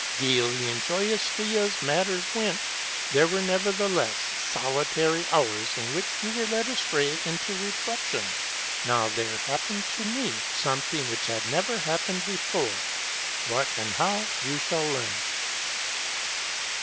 Gayly and joyously as matters went, there were, nevertheless, solitary hours in which you were led astray into reflection ; and now there happened to me something which had never happened before, ŌĆö what, and how, you shall learn.